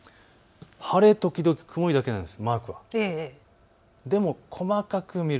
晴れときどき曇りだけなんです